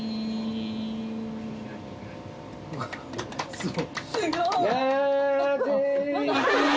すごい。